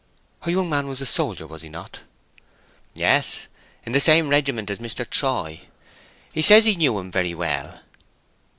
"Her young man was a soldier, was he not?" "Yes. In the same regiment as Mr. Troy. He says he knew him very well."